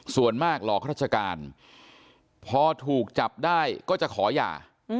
ส่วนมากหลอกราชการพอถูกจับได้ก็จะขอหย่า